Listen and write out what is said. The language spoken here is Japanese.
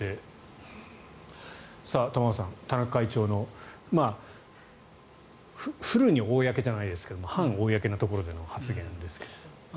玉川さん、田中会長のフルに公じゃないですが半公なところでの発言ですけれども。